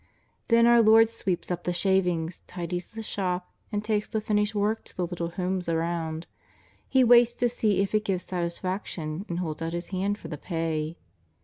Then our Lord sweeps up the shavings, tidies the shop, and takes the finished work to the little homes around. He waits to see if it gives satisfaction, and holds out His hand for the pay.